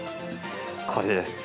これです。